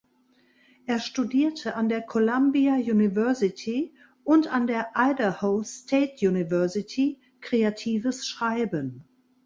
Er studierte an der Columbia University und an der Idaho State University Kreatives Schreiben.